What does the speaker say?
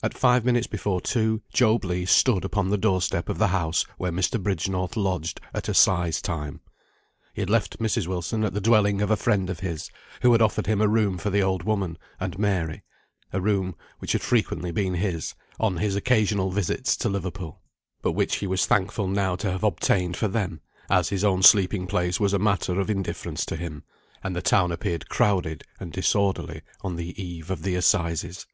At five minutes before two, Job Legh stood upon the door step of the house where Mr. Bridgenorth lodged at Assize time. He had left Mrs. Wilson at the dwelling of a friend of his, who had offered him a room for the old woman and Mary: a room which had frequently been his, on his occasional visits to Liverpool, but which he was thankful now to have obtained for them, as his own sleeping place was a matter of indifference to him, and the town appeared crowded and disorderly on the eve of the Assizes.